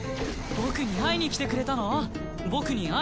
僕に会いにきてくれたの？